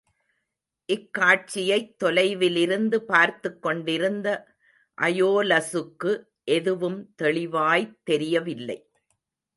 இக்காட்சியைத் தொலைவிலிருந்து பார்த்துக் கொண்டிருந்த அயோலஸுக்கு எதுவும் தெளிவாய்த் தெரியவில்லை.